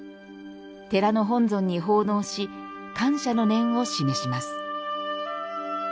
寺の本尊に奉納し感謝の念を示します。